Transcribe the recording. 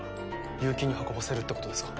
結城に運ばせるってことですか？